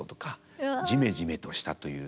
「ジメジメとした」という。